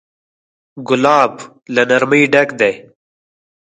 ګلاب له نرمۍ ډک دی.